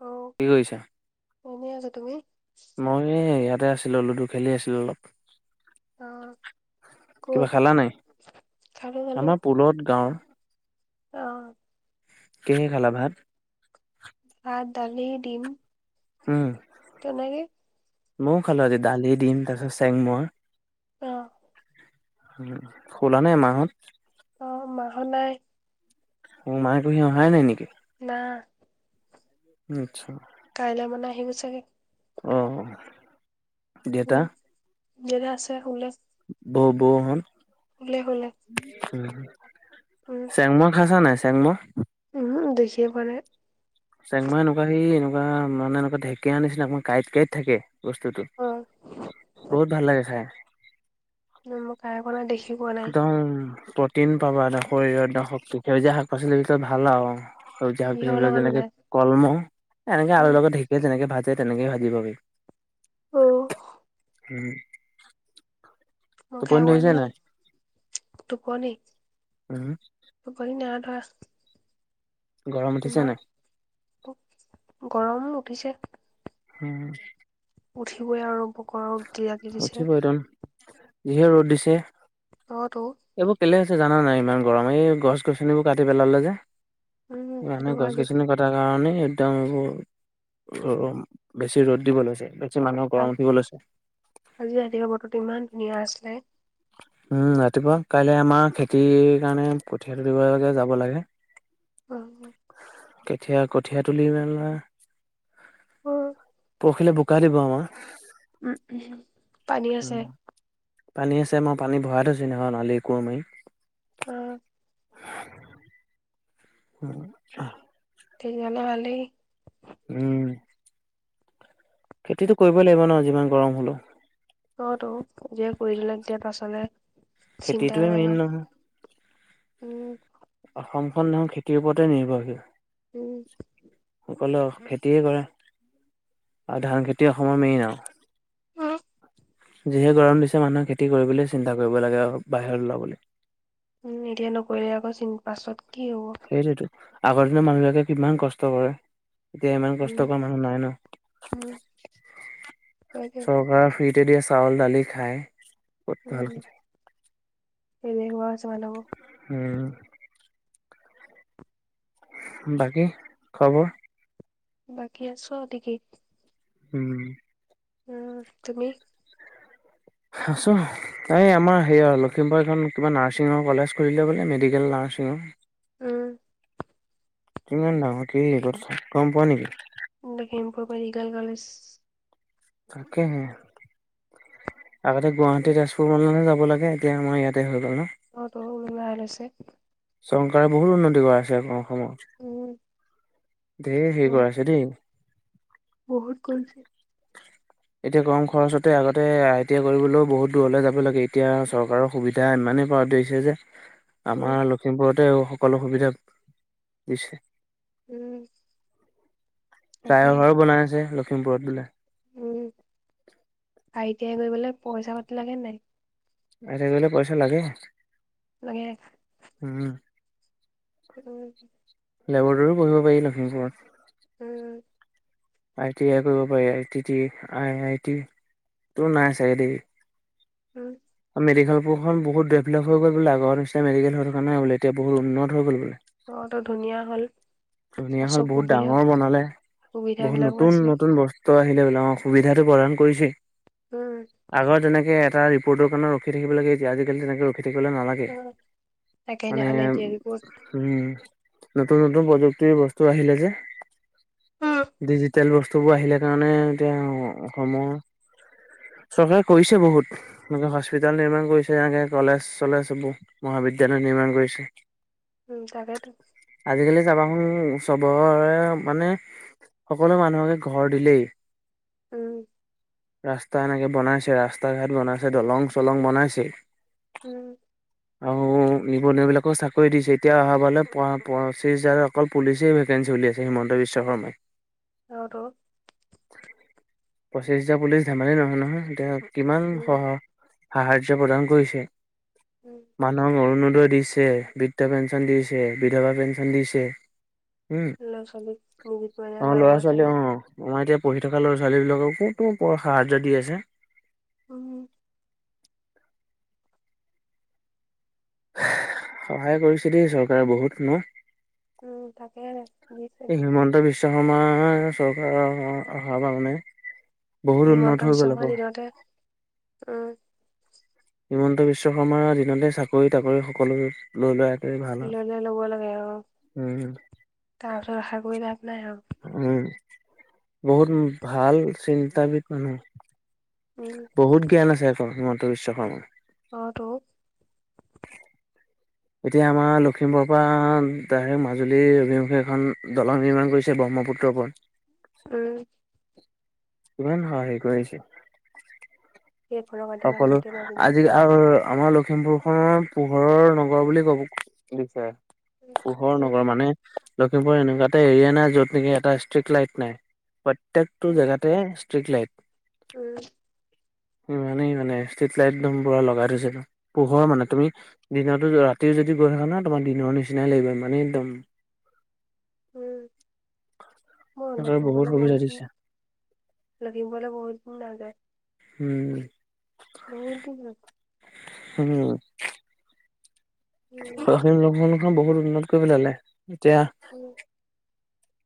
অ কি কৰিছা? এনেই আছো। তুমি? মই ইয়াতে আছিলো, লুডু খেলি আছিলোঁ অলপ। অ কিবা ক'ত? খালো খালো। পোলত গাওঁৰ। অ। কিহে খালা ভাত? ভাত দালি, দিম। হম। তেনেকে। ময়ো খালোঁ আজি দালি, দিম তাৰপিছত চেংমৰা। অ। উম শুলা নে মাহত? অ মাহত নাই। অ মা ঘুৰি অহাই নাই নেকি? না। আচ্ছা। কাইলে মানে আহিব চাগে। অ, দেতা? দেতা আছে শুলে। ব বৌ হঁত? শুলে শুলে। উম। চেংমৱা খাইছা নাই চেংমৱা? উমহু দেখিয়ে পোৱা নাই। চেংমৱা এনেকুৱা সেই এনেকুৱা মানে এনেকুৱা ঢেকীয়া নিচিনা অকমান কাঁইট কাঁইট থাকে। বস্তুটো অ বহুত ভাল লাগে খাই। মই খাই পোৱা নাই, দেখিও পোৱা নাই। উম, প্ৰটিন পাবা এটা শৰীৰত শক্তি সেউজীয়া শাক পাচলিৰ ভিতৰত ভাল আৰু। সেউজীয়া কিহৰ শাক-পাছলি লগত যেনেকে বনাই কলমৌ, এনেকে উম আলুৰ লগত ঢেকীয়া যেনেকে ভাজে তেনেকে ভাজিবি। অ। উম। মই খাই টোপনি পোৱা ধৰিছে নাই। টোপনি উম টোপনি নাই ধৰা। গৰম উঠিছে তোমাৰ? নাই [unintelligible] গৰম উঠিছে। হম [unintelligible] উঠিবই আৰু। [unintelligible] জিৰাতি দিছে উঠিটোন যিহে ৰ'দ দিছে। [unintelligible] অঁ টো [unintelligible] এইবোৰ কেলে হৈছে জানা নাই ইমান গৰম এই গছ-গছনিবোৰ কাটি পেলালে যে। [unintelligible] উম মানে সেইটো কাৰণে গছ-গছনি কাটি [unintelligible] কাটি পেলোৱাৰ কাৰণে একদম এইবোৰ [inaudible] বেছি ৰ'দ দিব লৈছে। বেছি মানুহৰ গৰম উঠিব লৈছে। [unintelligible] আজি ৰাতিপুৱা বতৰটো ইমান ধুনীয়া আছিলে। [unintelligible] উম ৰাতিপুৱা। কাইলৈ আমাৰ খেতিৰ কাৰণে কঠিয়া তুলিবলে [unintelligible] যাব লাগে। উম [unintelligible] কেতিয়া কঠীয়া তুলি মেলা [unintelligible] উম [inaudible] পৰসিলে বোকা দিব আমাৰ। [unintelligible] উম-উম [unintelligible] পানী আছে? উম, পানী আছে মই পানী ভৰাই থৈছোঁ নহয় [unintelligible] নালি কোৰ মাৰি। উম। [inaudible] উম-উম [unintelligible] তেতিয়া হ'লে ভালেই। [unintelligible] উম! খেতিটো কৰিবই লাগিব ন যিমান গৰম হলো। [unintelligible] অঁ তো এতিয়া কৰি দিলে তেতিয়া পাচালে [unintelligible] চিন্তা খেতিটোৱে নাই মেইন আৰু নহয় [inaudible] উম! অসমখন এনেও খেতিৰ ওপৰতে নিৰ্ভৰশীল। [unintelligible] উম। [inaudible] সকলো খেতিয়ে কৰে [inaudible] আৰু ধান খেতি অসমৰ মেইন আৰু। উম, যিহে গৰম দিছে মানুহে খেতি কৰিবলৈ চিন্তা কৰিব লাগে আৰু বাহিৰত ওলাবলৈ। [unintelligible] উম! এতিয়া নকৰিলে আকৌ চিন পাছত কি হ'ব? [unintelligible] সেইটোৱেইতো, আগৰ দিনৰ মানুহবিলাকে কিমান কষ্ট কৰে। [unintelligible] এতিয়া ইমান উম, কষ্টকৰ মানুহ নাই ন। উম। সেইটোৱে চৰকাৰৰ ফ্ৰি [unintelligible] [unintelligible] দিয়ে চাউল, দালি খায়। উম-উম! এলেহুৱা হৈছে মানুহবোৰ। [unintelligible] উম। [unintelligible] বাকী, খবৰ? [unintelligible] বাকী আছো আৰু টিকি। [unintelligible] উম। [inaudible] আহ [inaudible] তুমি? [unintelligible] আছোঁ। এই আমাৰ সেয়া আৰু লখিমপুৰ এখন কিবা নাৰ্ছিঙৰ কলেজ খুলিলে বোলে মেডিকেল নাৰ্ছিঙৰ? [unintelligible] উম। [unintelligible] কিমান ডাঙৰ কি [unintelligible] গম পোৱা নেকি? এতিয়া কেনেকুৱা বা মেডিকেল কলেজ [unintelligible] তাকেহে [inaudible] আগতে গুৱাহাটী, তেজপুৰখনলেহে যাব লাগে। এতিয়া আমাৰ ইয়াতে হৈ গ'ল ন? [unintelligible] অঁ ত [unintelligible] হৈছে। চৰকাৰে বহুত উন্নতি কৰিছে। আকৌ অসমত উম, ঢ়েৰি হেৰি উম, কৰিছে দেই। বহুত কৰিছে। এতিয়া কম খৰচতে আগতে আই টি আই কৰিবলৈও বহুত দূৰলে যাব লাগে। এতিয়া চৰকাৰৰ- সুবিধা ইমানেই ধৰিছে যে- উম, আমাৰ লখিমপুৰতে সকলো সুবিধা দিছে। উম। তাকে তাইৰভাৰো বনাই আছে লখিমপুৰত বোলে। উমঁ, আই টি আই কৰিবলৈ পইচা পাতি লাগে নাই। আজি কালি পইচা লাগে। লাগে। উম। উম। লেবৰেটৰীও পঢ়িব পাৰি লখিমপুৰত। উম। আই টি আই কৰিব পাৰি। I T T I I T তো নাই চাগে। উম। মেডিকেলবোৰখন বহুত ডেভলপ হৈ গ' বোলে, আগৰ নিচিনা মেডিকেল হৈ থকা নাই বোলে এতিয়া বহুত উন্নত হৈ গ'ল বোলে। ঘৰতো ধুনীয়া হ'ল আৰু ধুনীয়া চব হ'ল বহুত সুবিধা ডাঙৰ বনালে। সুবিধা বহুত বিলাকো নতুন আছে নতুন বস্তু আহিলে বোলে অঁ সুবিধাটো প্ৰদান কৰিছে। উম। আগৰ তেনেকে এটা ৰিপৰ্ট কাৰণে ৰখি থাকিব লাগে আজিকালি তেনেকে- ৰখিবলৈ নালাগে। উম। তাকে মানে- সেইদিনাখনে জীয়েৰী ক'ত উমঁ, নতুন নতুন প্ৰযুক্তিৰ বস্তু আহিলে যে। উম ডিজিটেল বস্তুবোৰ আহিলে কাৰণে এতিয়া অসমৰ চৰকাৰে কৰিছে বহুত। এনেকে হস্পিতেল নিৰ্মাণ কৰিছে এনেকে কলেজ চলেজ সেইবোৰ মহাবিদ্যালয় নিৰ্মাণ কৰিছে। [inaudible] উমঁ তাকেইটো। আজিকালি চাবাচোন চবৰে মানে- সকলো মানুহকে ঘৰ দিলেই। উমঁ। ৰাস্তা এনেকে বনাইছে ৰাস্তা ঘাট বনাইছে, দলং চলং বনাইছে - উমঁ। আৰু নিবনুৱা বিলাকক চাকৰি দিছে, এতিয়া অহাবালে পঁচিশ হাজাৰ অকল পুলিচেই বেছি। ফেঞ্চ চলি আছে হিমন্ত বিশ্ব শৰ্মাই। অঁ', -তো। পঁচিছ হাজাৰ পুলিচ ধেমালি নহয়, নহয়, এতিয়া কিমান উম - সাহাৰ্য প্ৰদান কৰিছে, উম মানুহক অৰুণোদয় দিছে। বৃদ্ধ পেঞ্চন দিছে, বিধবা পেঞ্চন দিছে। লৰা-ছোৱালী সৰু পৰাই অ ল'ৰা ছোৱালী অ ল'ৰা-ছোৱালী আমাৰ এতিয়া পঢ়ি থকা ল'ৰা-ছোৱালী বিলাকক ক'ত সাহায্য দি আছে। উম। সহায় কৰিছে দেই চৰকাৰে বহুত ন। উমঁ তাকেহে। হিমন্ত বিশ্ব শৰ্মাৰ চৰকাৰৰ অহাৰ কাৰণে। হিমন্ত বিশ্ব শৰ্মাই দিনতে, উম, হিমন্ত বিশ্ব শৰ্মাৰ দিনতে চাকৰি-তাকৰি সকলো লই, লোৱাটোৱে ভাল লৈ লৈ ল'ব লাগে আৰু উম, তাৰ পিছত আশা কৰি লাভ নাই আৰু। উম, বহুত ভাল চিন্তাবিদ মানুহ। উম বহুত জ্ঞান আছে আকৌ, হিমন্ত বিশ্ব শৰ্মাৰ। অ, টো। এতিয়া আমাৰ লখিমপুৰৰ পৰা, ডাইৰেক্ মাজুলীৰ অভিমুখে, এখন দলং নিৰ্মাণ কৰিছে। এ, ব্ৰহ্মপুত্ৰৰ ওপৰত। উম, কিমান সহায় হেৰি কৰিছে। সকলো আজি [unintelligible] আমাৰ লখিমপুৰ খনৰ পোহৰৰ নগৰ বুলি ক'ব দিছে উম পোহৰ উম। নগৰ মানে লখিমপুৰ এনেকুৱা এটা এৰিয়া নাই যত নেকি এটা ষ্ট্ৰিট লাইট নাই, প্ৰত্যেক তো উম, জেগাতে ষ্ট্ৰিক, লাইট। উম, ইমানেই মানে, ষ্ট্ৰিট লাইট একদম পূৰা লগাই থৈছে। পোহৰ মানে, তুমি দিনাতো ৰাতিও যদি গৈ থাকা ন, তোমাৰ দিনৰ নিচিনাই লাগিব মানে একদম [inaudible] উম, মই চৰকাৰে বহুত সুবিধা [inaudible] দিছে। লখিমপুৰলৈ বহুত দিন নাইযোৱা। উম, বহুত দিনত হম, উম, [inaudible] উম,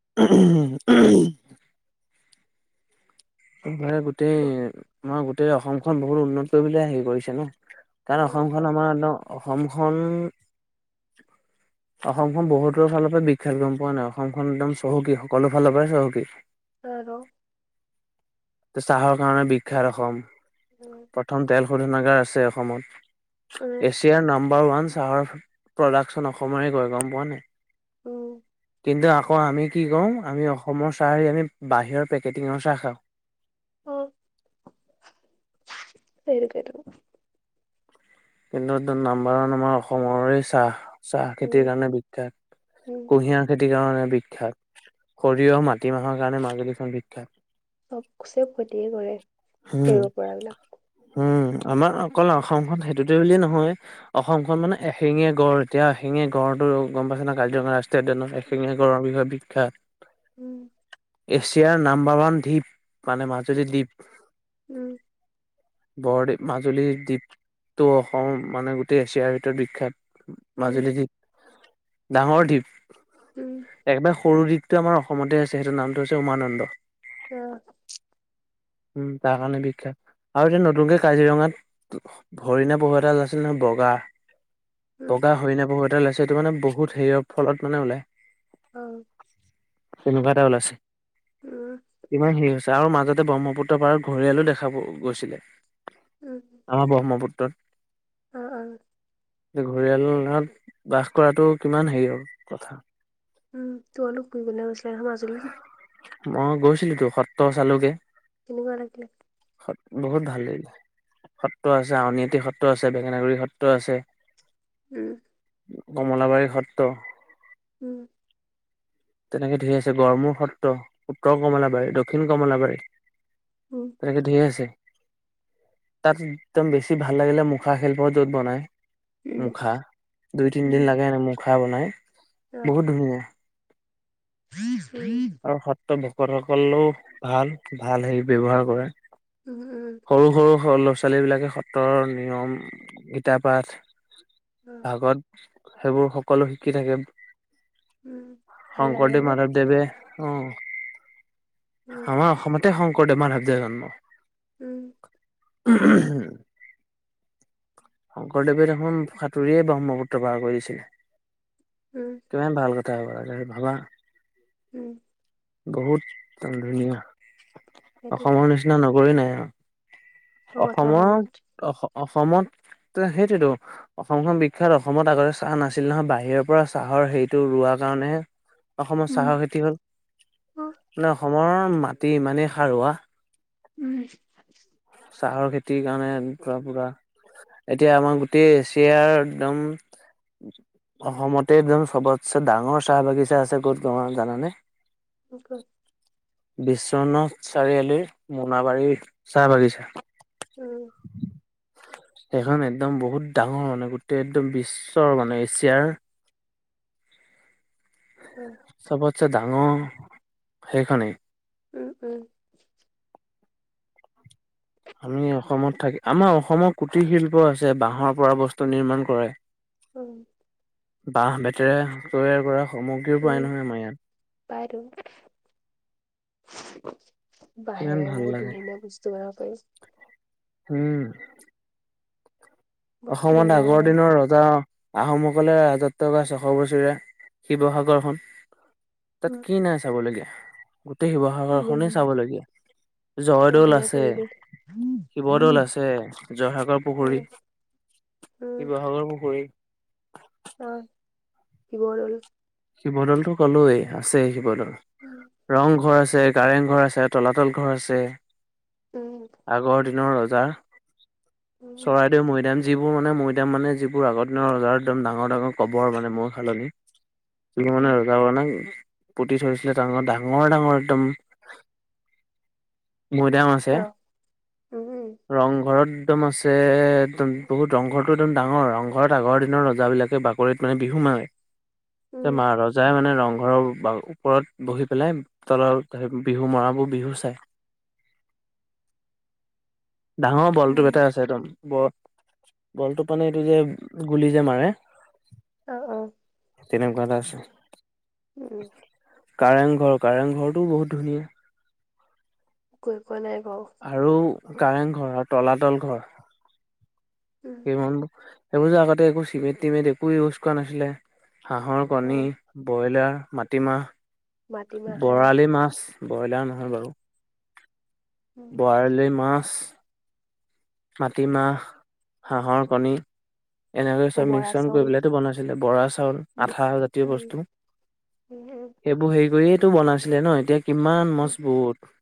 [unintelligible] মানে গোটেই আমাৰ গোটেই অসমখন বহুত উন্নত কৰিবলৈ আহি কৰিছে ন, কাৰণ অসমখন বস্তু আমাৰ, একদম অসমখন অসমখন বহুতৰ ফালৰ পৰা বিখ্যাত, গম পোৱা নে নাই? অসমখন একদম চহকী সকলো ফালৰ পৰাই চহকী। [unintelligible] চাহৰ কাৰণে বিখ্যাত অসম, উম, প্ৰথম তেল শোধনাগাৰ আছে অসমত। উম, এছিয়াৰ নম্বৰ ওৱান চাহৰ প্ৰডাকশ্যন অসমৰে, গৈ গম পোৱা নে নাই? উম, কিন্তু আকৌ আমি কি কৰোঁ, আমি অসমৰ চাহ হেৰি আমি বাহিৰৰ পেকেটিঙৰ চাহ খাওঁ। অ, সেইটোকেটো। কিন্তু এইটো নাম্বৰ ওৱান আমাৰ অসমৰে চাহ। চাহ উম, খেতিৰ কাৰণে বিখ্যাত, উম, কুঁহিয়াৰ খেতিৰ কাৰণে বিখ্যাত, সৰিয়হ, মাটিমাহৰ কাৰণে মাজুলীখন বিখ্যাত। চ'ব [inaudible] প্ৰতেকে কৰে। উম, কৰিব পৰাবিলাক। হম, আমাৰ অকল অসমখন সেইটোতে বুলিয়ে নহয়। অসমখন মানে, এশিঙীয়া গড়, এতিয়া এশিঙীয়া গড়টো গম পাইছে ন, কাজিৰঙা ৰাষ্ট্ৰ ত, এশেঙীয়া গড়ৰ বিষয়ে বিখ্যাত। উম, এছিয়াৰ নাম্বাৰ ওৱান দ্বীপ মানে মাজুলী দ্বীপ। উম। বৰদ্বীপ মাজুলীৰ দ্বীপটো অসম মানে গোটেই এছিয়াৰ ভিতৰত বিখ্যাত। উম, মাজুলী দ্বীপ, ডাঙৰ দ্বীপ, উম, একবাৰে সৰু দ্বীপ টো আমাৰ অসমতে আছে সেইটোৰ নামটো হৈছে উমানন্দ। অ। উম তাৰ কাৰণে বিখ্যাত আৰু সেই নতুনকে কাজিৰঙাত ভৰিণা পহু এটা আছিল নহয় বগা? উম, বগা হৰিনা পহু এটা ওলাইছে সেইটো মানে বহুত হেৰিয়ৰ ফলত মানে ওলায়। হয়। তেনেকুৱা এটা ওলাইছে। উ আ। ইমান হেৰি হৈছে আৰু মাজতে ব্ৰহ্মপুত্ৰ পাৰত ঘৰিয়ালো দেখা গ গৈছিলে। উ উ। আমাৰ ব্ৰহ্মপুত্ৰত। অ অ। এতিয়া ঘৰিয়ালৰ লগত বাস কৰাটো কিমান হেৰি আৰু কথা। উম তো অলপ ফুৰিবলৈ গৈছিলে সেই মাজুলীদ্বীপ মই গৈছিলোতো সত্ৰ চালোগে। কেনেকুৱা লাগিলে? সত বহুত ভাল লাগিলে। সত্ৰ আছে, আউনী আটী সত্ৰ আছে, বেঙেনা গুৰি সত্ৰ আছে। উম। কমলাবাৰী সত্ৰ উম। তেনেকে ধেৰ আছে, গৰমুৰ সত ত, উত্তৰ কমলাবাৰী, দক্ষিণ কমলাবাৰী উম। তেনেকে ধেৰ আছে তাত একদম বেছি ভাল লাগিলে মুখা শিল্পৰ য'ত বনাই উম, মুখা, দুই - তিনিদিন উম, লাগে আৰু মুখা বনাই, অ', বহুত ধুনীয়া। [unintelligible] আৰু সত্ৰ ভকতসকলেও ভাল - ভাল হেৰি ব্যৱহাৰ কৰে। উম উম। সৰু - সৰু স ল'ৰা - ছোৱালীবিলাকে সত্ৰৰ নিয়ম গীতাপাঠ উম ভাগৱত সেইবোৰ সকলো শিকি থাকে। উম ভাল লাগে শংকৰদেৱ, ন মাধৱদেৱে অহ। উম আমাৰ অসমতে শংকৰদেৱ, মাধৱেদৰ জন্ম। উম। উ হু হুম। শংকৰদেৱে দেখোন সাঁতুৰিয়ে ব্ৰহ্মপুত্ৰ পাৰ কৰি দিছিলে। উম। কিমান ভাল কথা হব বাৰু তুমি ভাবা? উম। বহুত ধুনীয়া, সেইটো অসমৰ নিচিনা নগৰে নাই আৰু। চব আছে অসমত, অ অসমত সেইটোতো। অসমখন বিখ্যাত অসমত আগতে চাহ নাছিল নহয় বাহিৰৰ পৰা চাহৰ হেৰিটো ৰুৱাৰ কাৰণেহে অসমৰ উম চাহৰ খেতি হ'ল উম মানে অসমৰ মাটি ইমানেই সাৰুৱা উম চাহৰ খেতিৰ কাৰণে [unintelligible] পুৰা এতিয়া আমাৰ গোটেই এচিয়াৰ একদম অসমতে একদম চবতছে ডাঙৰ চাহ বাগিছা আছে ক'ত তোমাৰ জানানে উ ক'ত বিশ্বনাথ চাৰিআলিৰ মোনাবাৰীৰ চাহ বাগিচা। উম [unintelligible] সেইখন একদম বহুত ডাঙৰ মানে গোটেই একদম বিশ্বৰ মানে এচিয়াৰ উম চবতছে ডাঙ সেইখনেই উম উম আমি অসমত থাকি আমাৰ অসমৰ কুটিৰ শিল্প আছে বাঁহৰ পৰা বস্তু নিৰ্মাণ কৰে। উম বাঁহ বেতেৰে তৈয়াৰ কৰা সামগ্ৰীও পাই নহয় নহয় আমাৰ ইয়াত। পাই টো। কিমান বাঁহেৰে ভাল বহুত লাগে। ধুনীয়া ধুনীয়া বস্তু বনাব পাৰি। উম বহুত ধুনীয়া অসমত ধুনীয়া বনাব আগৰ পাৰি দিনৰ ৰ- জা আহোমসকলে ৰাজত্ব কৰা ছশ বছৰীয়া শিৱসাগৰখন তাত উম কি নাই চাবলগীয়া। গোটেই শিৱসাগৰ ইমান খনেই ধুনীয়া চাবলগীয়া ইমান জয়দৌল ধুনীয়া আছে, পৰিৱেশ উম উম শিৱদৌল উম আছে, জয়সাগৰ পুখুৰী, শিৱসাগৰ পুখুৰী অ শিৱদৌল শিৱদৌলটো ক'লোৱেই আছে শিৱদৌল উম ৰং ঘৰ আছে, কাৰেং ঘৰ আছে, তলাতল ঘৰ আছে উম আগৰ দিনৰ ৰজাৰ উম চৰাইদেউ মৈদাম, যিবোৰ মানে মৈদাম মানে যিবোৰ আগৰ দিনৰ বজাৰ একদম ডাঙৰ ডাঙৰ কবৰ মানে মৈ সালনি [unintelligible] পুতি থৈছিলে ডাঙ ডাঙৰ ডাঙৰ একদম মৈদাম আছে। অ উম ৰংঘৰত দম আছে একদম বহুত ৰংঘৰটো একদম ডাঙৰ ৰংঘৰত আগৰ দিনৰ ৰজা বিলাকে বাক- কৰিত মানে বিহু মাৰে যে উম মা ৰজাই মানে ৰংঘৰৰ ওপৰত বা বহি পেলাই তলত বিহু মৰাবোৰ বিহু চাই। ডাঙৰ উম বলটোপ এটা আছে একদম। ব বলটো মানে এইটো যে গুলি যে মাৰে অ অ তেনেকুৱা এটা আছে উম কাৰেং ঘৰ, কাৰেং ঘৰটোও বহুত ধুনীয়া। গৈ পোৱা নাই বাৰু। আৰু কাৰেং ঘৰ আৰু তলাতল ঘৰ উম [unintelligible] সেইবোৰ যে আগতে একো চিমিট টিমিট একো ইউজ কৰা নাছিলে হাঁহৰ কণী, অ', বইলাৰ, মাটিমাহ, মাটিমাহ বৰালি মাছ, ব্ৰইলাৰ নহয় বাৰু অ', বৰালি মাছ মাটিমাহ হাঁহৰ কণী এনেকৈ চব বৰা মিক্সন কৰি চাউল। পেলাই ত বনাইছিলে বৰা চাউল আঠা জাতীয় বস্তু উম উম এইবোৰ হেৰি কৰিয়েটো বনাইছিলে ন এতিয়া কিমান উম, মজবুত